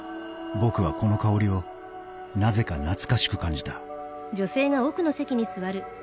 僕はこの香りをなぜか懐かしく感じた